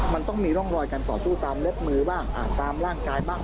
มันต้องมีร่องรอยการต่อสู้ตามเล็บมือบ้างตามร่างกายบ้าง